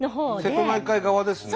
瀬戸内海側ですね。